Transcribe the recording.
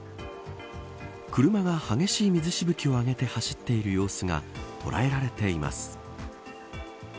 車が激しい水しぶきを上げて走っている様子が捉えられています。